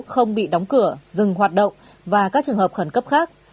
không bị đóng cửa dừng hoạt động và các trường hợp khẩn cấp khác